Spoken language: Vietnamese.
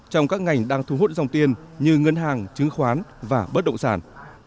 trong các ngành đang thu hút dòng tiền như ngân hàng chứng khoán và bất động sản